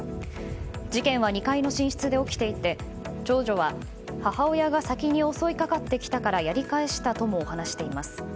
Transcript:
事件は２階の寝室で起きていて長女は母親が先に襲いかかってきたからやり返したとも話しています。